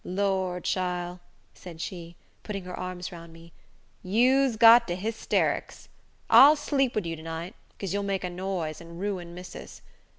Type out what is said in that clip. "Lor, chile," said she, putting her arms round me, "you's got de high sterics. I'll sleep wid you to night, 'cause you'll make a noise, and ruin missis.